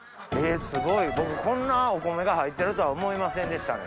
すごい僕こんなお米が入ってるとは思いませんでしたね。